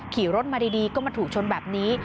ขี่รถมาดีก็มาถูกชนแบบนี้